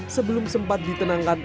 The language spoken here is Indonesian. sebelum sempat ditenangkan